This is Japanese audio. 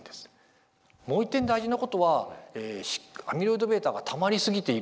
もう一点大事なことはアミロイドβがたまりすぎているとですね